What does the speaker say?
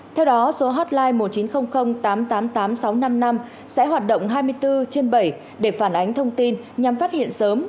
theo đó số hotline một nghìn chín trăm linh tám trăm tám mươi tám nghìn sáu trăm năm mươi năm sẽ hoạt động hai mươi bốn trên bảy để phản ánh thông tin nhằm phát hiện sớm